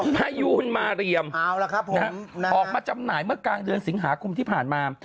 พยูนมาเรียมออกมาจำหน่ายเมื่อกลางเดือนสิงหาคมที่ผ่านมา